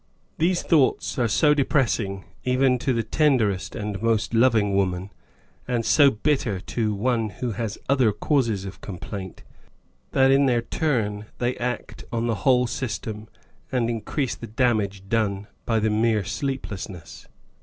These thoughts are so depressing even to the tenderest and most loving woman, and so bitter to one who has other causes of complaint, that in their turn they act on the whole system and increase the damage done by the mere sleeplessness.